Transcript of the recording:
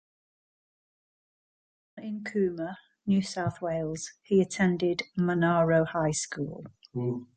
Born in Cooma, New South Wales, he attended Monaro High School.